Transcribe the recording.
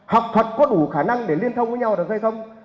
học thuật có đủ khả năng để liên thông với nhau được hay không